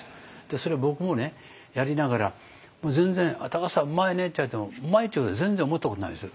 それ僕もやりながら全然「田さんうまいね」って言われてもうまいというふうに全然思ったことないですよ。